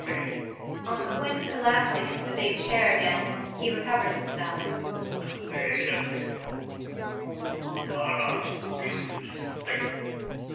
[On the point of collapsing into the big chair again he recovers himself]. Wait a bit, though: you're not so cute as you think.